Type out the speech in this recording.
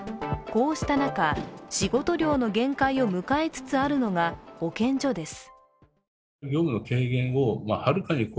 こうした中、仕事量の限界を迎えつつあるのが保健所です。